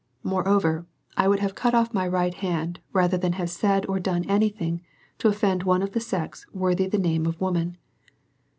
Moreover, I would have cut off my right hand rather than have said or done anything to offend one of the sex worthy the name of woman.